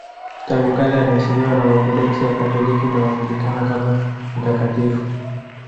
Tangu kale anaheshimiwa na Waorthodoksi, Wakatoliki na Waanglikana kama mtakatifu.